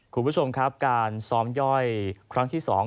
คุณผู้ชมครับการซ้อมย่อยครั้งที่๒